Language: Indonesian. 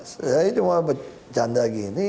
saya cuma bercanda gini